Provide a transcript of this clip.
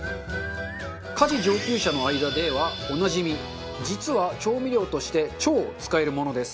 家事上級者の間ではおなじみ実は調味料として超使えるものです。